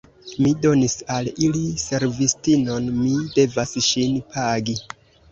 Mi donis al ili servistinon, mi devas ŝin pagi.